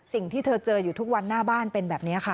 สิ่งที่เธอเจออยู่ทุกวันหน้าบ้านเป็นแบบนี้ค่ะ